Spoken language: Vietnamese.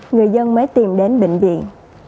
người dân mới tìm đến bệnh viện